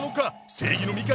正義の味方？